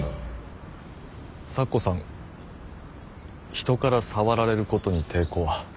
咲子さん人から触られることに抵抗は？